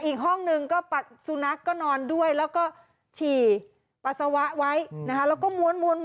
อีกห้องหนึ่งก็สุนัขก็นอนด้วยแล้วก็ฉี่ปัสสาวะไว้นะคะแล้วก็ม้วน